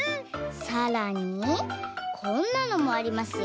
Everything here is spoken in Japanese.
さらにこんなのもありますよ。